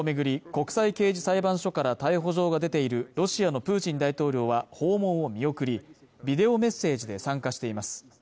国際刑事裁判所から逮捕状が出ているロシアのプーチン大統領は訪問を見送りビデオメッセージで参加しています